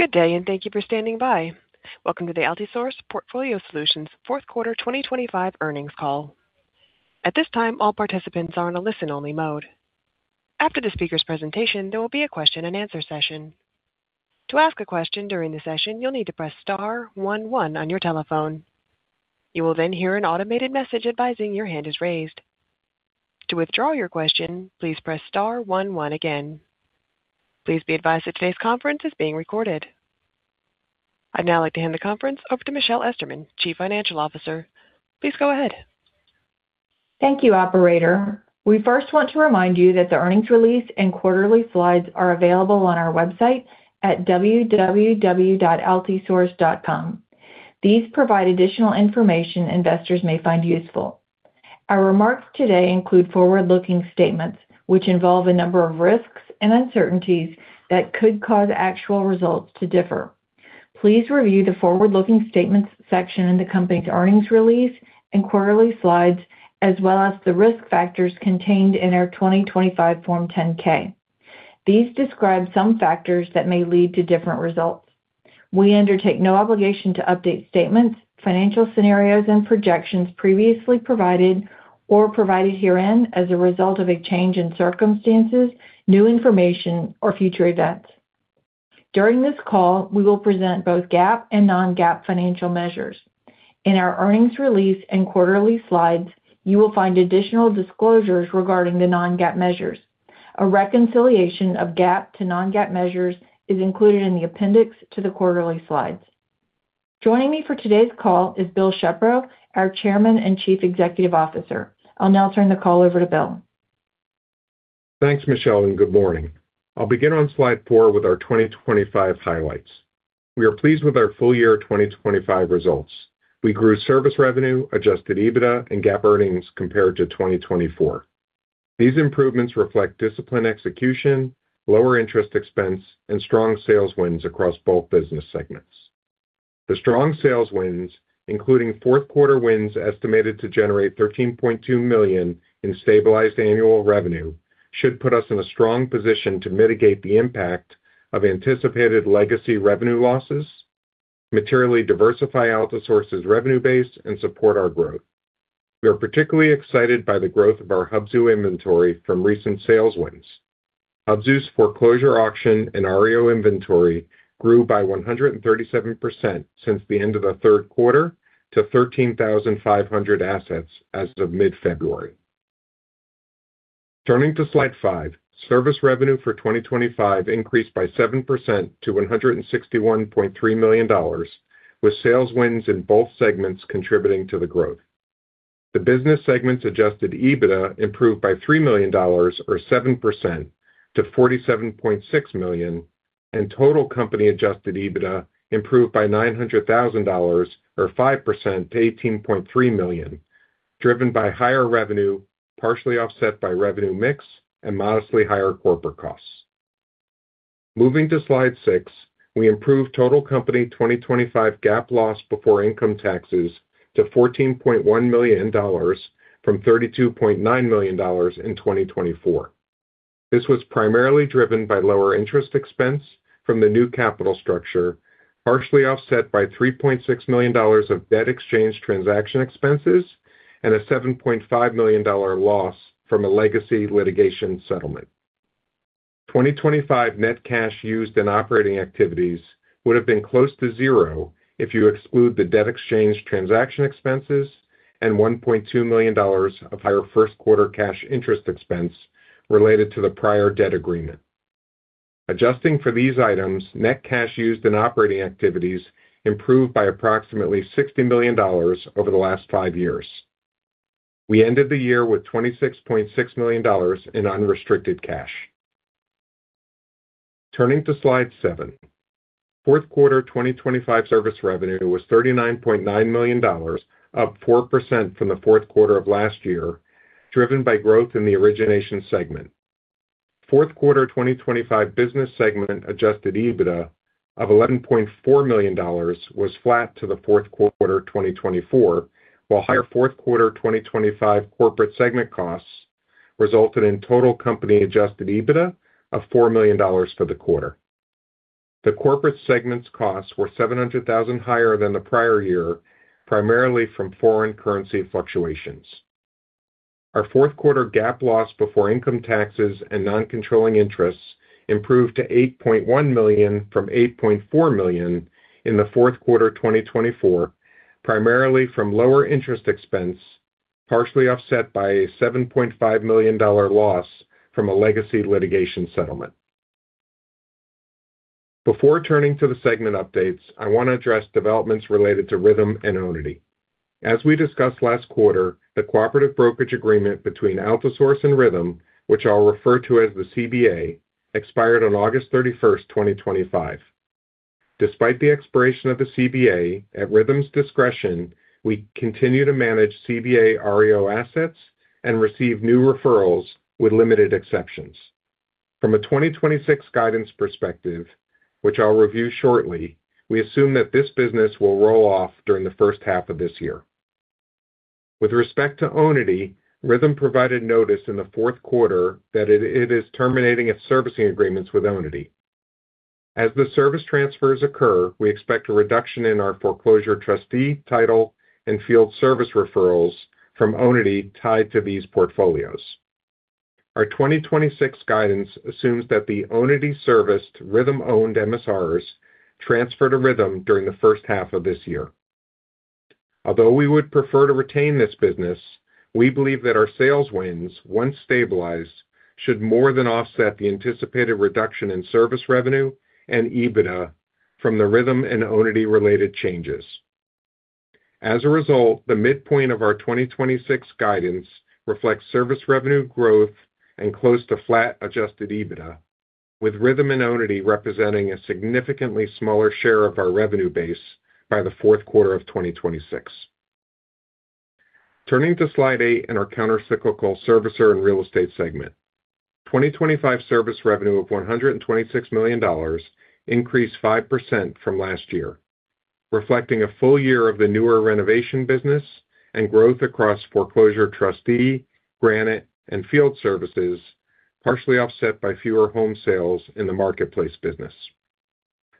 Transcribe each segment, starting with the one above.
Good day. Thank you for standing by. Welcome to the Altisource Portfolio Solutions fourth quarter 2025 earnings call. At this time, all participants are on a listen-only mode. After the speaker's presentation, there will be a question-and-answer session. To ask a question during the session, you'll need to press star one one on your telephone. You will hear an automated message advising your hand is raised. To withdraw your question, please press star one one again. Please be advised that today's conference is being recorded. I'd now like to hand the conference over to Michelle Esterman, Chief Financial Officer. Please go ahead. Thank you, operator. We first want to remind you that the earnings release and quarterly slides are available on our website at www.altisource.com. These provide additional information investors may find useful. Our remarks today include forward-looking statements, which involve a number of risks and uncertainties that could cause actual results to differ. Please review the forward-looking statements section in the company's earnings release and quarterly slides, as well as the risk factors contained in our 2025 Form 10-K. These describe some factors that may lead to different results. We undertake no obligation to update statements, financial scenarios, and projections previously provided or provided herein as a result of a change in circumstances, new information, or future events. During this call, we will present both GAAP and non-GAAP financial measures. In our earnings release and quarterly slides, you will find additional disclosures regarding the non-GAAP measures. A reconciliation of GAAP to non-GAAP measures is included in the appendix to the quarterly slides. Joining me for today's call is Bill Shepro, our Chairman and Chief Executive Officer. I'll now turn the call over to Bill. Thanks, Michelle. Good morning. I'll begin on slide four with our 2025 highlights. We are pleased with our full year 2025 results. We grew service revenue, adjusted EBITDA, and GAAP earnings compared to 2024. These improvements reflect disciplined execution, lower interest expense, and strong sales wins across both business segments. The strong sales wins, including fourth quarter wins estimated to generate $13.2 million in stabilized annual revenue, should put us in a strong position to mitigate the impact of anticipated legacy revenue losses, materially diversify Altisource's revenue base, and support our growth. We are particularly excited by the growth of our Hubzu inventory from recent sales wins. Hubzu's foreclosure auction and REO inventory grew by 137% since the end of the third quarter to 13,500 assets as of mid-February. Turning to slide five, service revenue for 2025 increased by 7% to $161.3 million, with sales wins in both segments contributing to the growth. The business segment's adjusted EBITDA improved by $3 million or 7% to $47.6 million, and total company adjusted EBITDA improved by $900,000 or 5% to $18.3 million, driven by higher revenue, partially offset by revenue mix and modestly higher corporate costs. Moving to slide six, we improved total Company 2025 GAAP loss before income taxes to $14.1 million from $32.9 million in 2024. This was primarily driven by lower interest expense from the new capital structure, partially offset by $3.6 million of debt exchange transaction expenses and a $7.5 million loss from a legacy litigation settlement. 2025 net cash used in operating activities would have been close to zero if you exclude the debt exchange transaction expenses and $1.2 million of higher first quarter cash interest expense related to the prior debt agreement. Adjusting for these items, net cash used in operating activities improved by approximately $60 million over the last five years. We ended the year with $26.6 million in unrestricted cash. Turning to slide seven. Fourth quarter 2025 service revenue was $39.9 million, up 4% from the fourth quarter of last year, driven by growth in the origination segment. Fourth quarter 2025 business segment adjusted EBITDA of $11.4 million was flat to the fourth quarter 2024, while higher fourth quarter 2025 corporate segment costs resulted in total company adjusted EBITDA of $4 million for the quarter. The corporate segment's costs were $700,000 higher than the prior year, primarily from foreign currency fluctuations. Our fourth quarter GAAP loss before income taxes and non-controlling interests improved to $8.1 million from $8.4 million in the fourth quarter 2024, primarily from lower interest expense, partially offset by a $7.5 million loss from a legacy litigation settlement. Before turning to the segment updates, I want to address developments related to Rithm and Onity. We discussed last quarter, the cooperative brokerage agreement between Altisource and Rithm, which I'll refer to as the CBA, expired on August 31st, 2025. Despite the expiration of the CBA, at Rithm's discretion, we continue to manage CBA REO assets and receive new referrals with limited exceptions. From a 2026 guidance perspective, which I'll review shortly, we assume that this business will roll off during the first half of this year. With respect to Onity, Rithm provided notice in the fourth quarter that it is terminating its servicing agreements with Onity. The service transfers occur, we expect a reduction in our foreclosure trustee, title, and field service referrals from Onity tied to these portfolios. Our 2026 guidance assumes that the Onity serviced Rithm-owned MSRs transfer to Rithm during the first half of this year. Although we would prefer to retain this business, we believe that our sales wins, once stabilized, should more than offset the anticipated reduction in service revenue and EBITDA from the Rithm and Onity related changes. The midpoint of our 2026 guidance reflects service revenue growth and close to flat adjusted EBITDA, with Rithm and Onity representing a significantly smaller share of our revenue base by the fourth quarter of 2026. Turning to Slide eight in our countercyclical servicer and real estate segment. 2025 service revenue of $126 million increased 5% from last year, reflecting a full year of the newer renovation business and growth across foreclosure trustee, Granite, and field services, partially offset by fewer home sales in the marketplace business.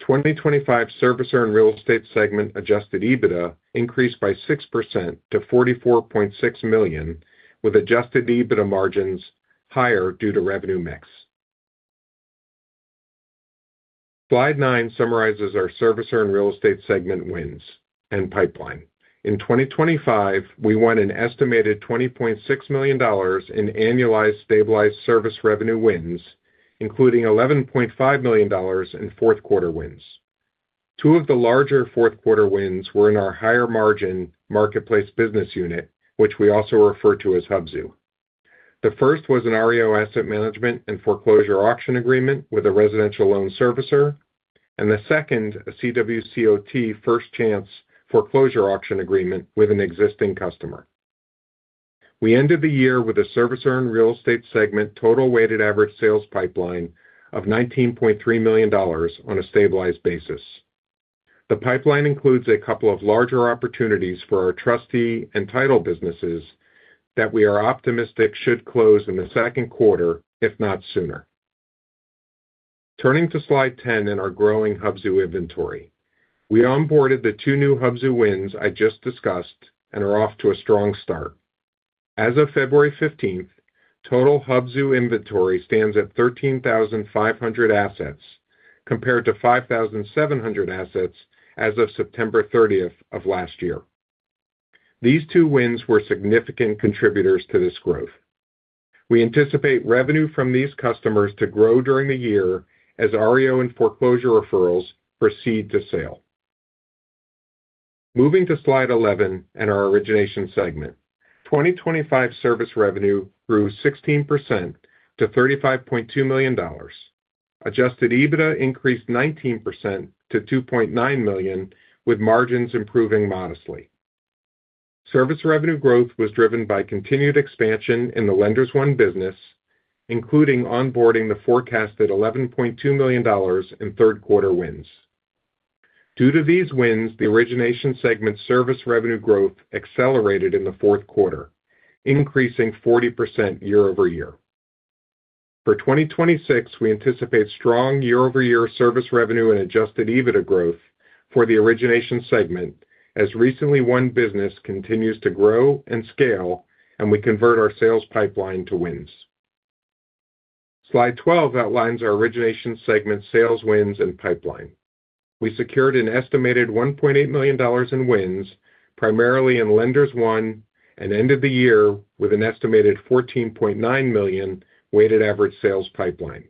2025 servicer and real estate segment adjusted EBITDA increased by 6% to $44.6 million, with adjusted EBITDA margins higher due to revenue mix. Slide nine summarizes our servicer and real estate segment wins and pipeline. In 2025, we won an estimated $20.6 million in annualized stabilized service revenue wins, including $11.5 million in fourth quarter wins. Two of the larger fourth quarter wins were in our higher margin marketplace business unit, which we also refer to as Hubzu. The first was an REO asset management and foreclosure auction agreement with a residential loan servicer, and the second a CWCOT first chance foreclosure auction agreement with an existing customer. We ended the year with a servicer and real estate segment total weighted average sales pipeline of $19.3 million on a stabilized basis. The pipeline includes a couple of larger opportunities for our trustee and title businesses that we are optimistic should close in the second quarter, if not sooner. Turning to slide 10 and our growing Hubzu inventory. We onboarded the two new Hubzu wins I just discussed and are off to a strong start. As of February 15th, total Hubzu inventory stands at 13,500 assets, compared to 5,700 assets as of September 30th of last year. These two wins were significant contributors to this growth. We anticipate revenue from these customers to grow during the year as REO and foreclosure referrals proceed to sale. Moving to slide 11 and our origination segment. 2025 service revenue grew 16% to $35.2 million. Adjusted EBITDA increased 19% to $2.9 million, with margins improving modestly. Service revenue growth was driven by continued expansion in the Lenders One business, including onboarding the forecasted $11.2 million in third quarter wins. Due to these wins, the origination segment service revenue growth accelerated in the fourth quarter, increasing 40% year-over-year. For 2026, we anticipate strong year-over-year service revenue and adjusted EBITDA growth for the origination segment as recently won business continues to grow and scale and we convert our sales pipeline to wins. Slide 12 outlines our origination segment sales wins and pipeline. We secured an estimated $1.8 million in wins, primarily in Lenders One, and ended the year with an estimated $14.9 million weighted average sales pipeline.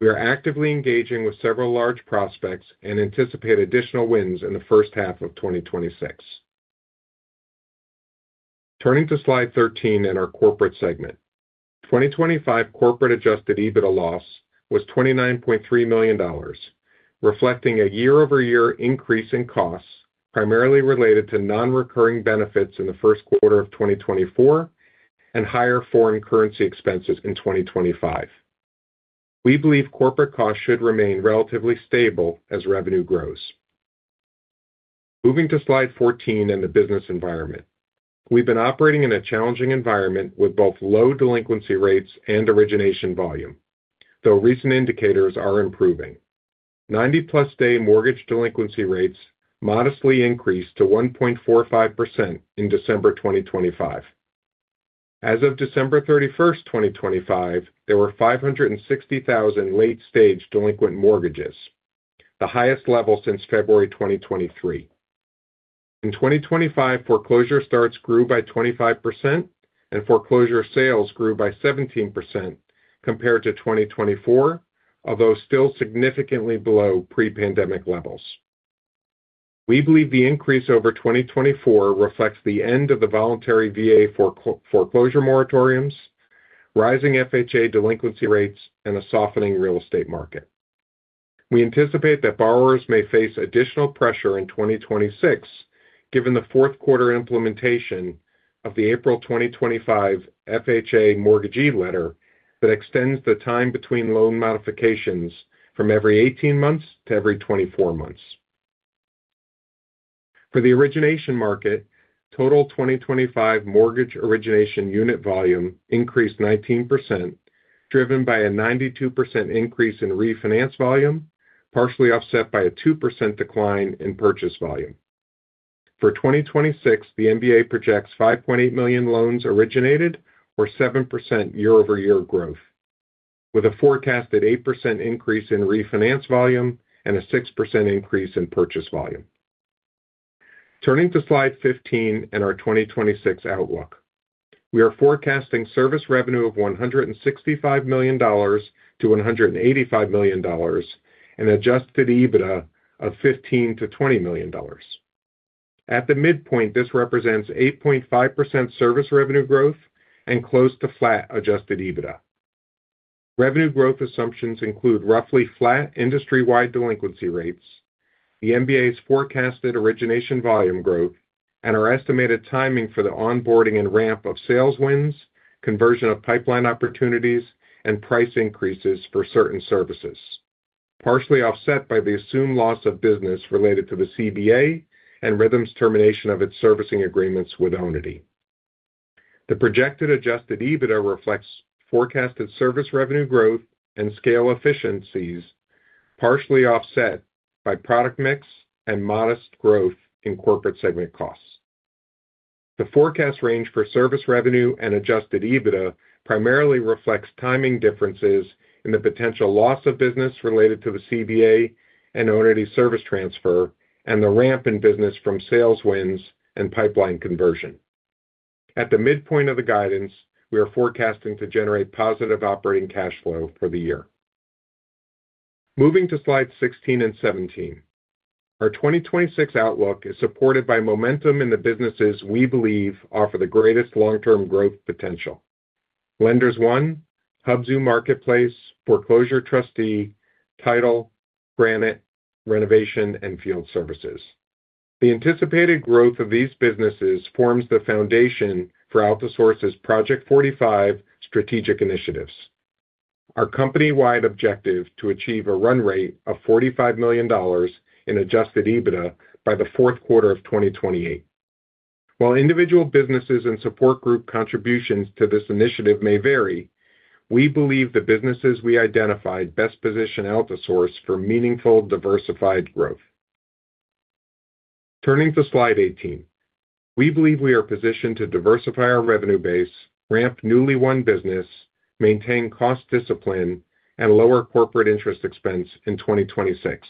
We are actively engaging with several large prospects and anticipate additional wins in the first half of 2026. Turning to slide 13 in our corporate segment. 2025 corporate adjusted EBITDA loss was $29.3 million, reflecting a year-over-year increase in costs, primarily related to non-recurring benefits in the first quarter of 2024 and higher foreign currency expenses in 2025. We believe corporate costs should remain relatively stable as revenue grows. Moving to Slide 14 and the business environment. We've been operating in a challenging environment with both low delinquency rates and origination volume. Recent indicators are improving. 90+ day mortgage delinquency rates modestly increased to 1.45% in December 2025. As of December 31st, 2025, there were 560,000 late-stage delinquent mortgages, the highest level since February 2023. In 2025, foreclosure starts grew by 25% and foreclosure sales grew by 17% compared to 2024, although still significantly below pre-pandemic levels. We believe the increase over 2024 reflects the end of the voluntary VA foreclosure moratoriums, rising FHA delinquency rates, and a softening real estate market. We anticipate that borrowers may face additional pressure in 2026 given the fourth quarter implementation of the April 2025 FHA Mortgagee Letter that extends the time between loan modifications from every 18 months to every 24 months. For the origination market, total 2025 mortgage origination unit volume increased 19%, driven by a 92% increase in refinance volume, partially offset by a 2% decline in purchase volume. For 2026, the MBA projects 5.8 million loans originated, or 7% year-over-year growth, with a forecasted 8% increase in refinance volume and a 6% increase in purchase volume. Turning to slide 15 and our 2026 outlook. We are forecasting service revenue of $165 million-$185 million and adjusted EBITDA of $15 million-$20 million. At the midpoint, this represents 8.5% service revenue growth and close to flat adjusted EBITDA. Revenue growth assumptions include roughly flat industry-wide delinquency rates, the MBA's forecasted origination volume growth, and our estimated timing for the onboarding and ramp of sales wins, conversion of pipeline opportunities, and price increases for certain services. Partially offset by the assumed loss of business related to the CBA and Rithm's termination of its servicing agreements with Onity. The projected adjusted EBITDA reflects forecasted service revenue growth and scale efficiencies, partially offset by product mix and modest growth in corporate segment costs. The forecast range for service revenue and adjusted EBITDA primarily reflects timing differences in the potential loss of business related to the CBA and Onity Group service transfer, and the ramp in business from sales wins and pipeline conversion. At the midpoint of the guidance, we are forecasting to generate positive operating cash flow for the year. Moving to slide 16 and 17. Our 2026 outlook is supported by momentum in the businesses we believe offer the greatest long-term growth potential. Lenders One, Hubzu Marketplace, Foreclosure Trustee, Title, Granite, Renovation, and Field Services. The anticipated growth of these businesses forms the foundation for Altisource's Project 45 strategic initiatives. Our company-wide objective to achieve a run rate of $45 million in adjusted EBITDA by the fourth quarter of 2028. While individual businesses and support group contributions to this initiative may vary, we believe the businesses we identified best position Altisource for meaningful, diversified growth. Turning to slide 18. We believe we are positioned to diversify our revenue base, ramp newly won business, maintain cost discipline, and lower corporate interest expense in 2026.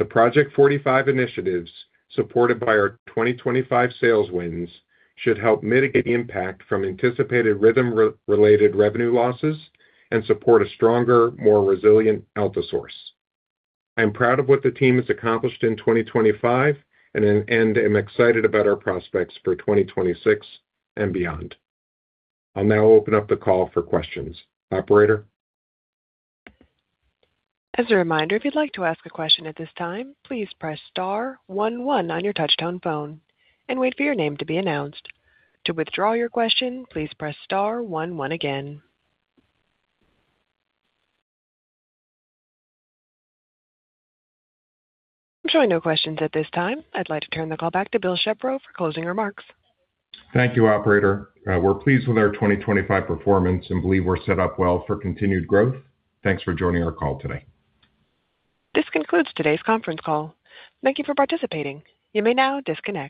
The Project 45 initiatives, supported by our 2025 sales wins, should help mitigate the impact from anticipated Rithm-related revenue losses and support a stronger, more resilient Altisource. I'm proud of what the team has accomplished in 2025 and am excited about our prospects for 2026 and beyond. I'll now open up the call for questions. Operator? As a reminder, if you'd like to ask a question at this time, please press star one one on your touchtone phone and wait for your name to be announced. To withdraw your question, please press star one one again. I'm showing no questions at this time. I'd like to turn the call back to Bill Shepro for closing remarks. Thank you, operator. We're pleased with our 2025 performance and believe we're set up well for continued growth. Thanks for joining our call today. This concludes today's conference call. Thank you for participating. You may now disconnect.